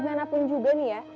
gimanapun juga nih ya